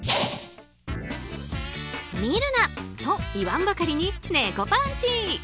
見るな！と言わんばかりに猫パンチ。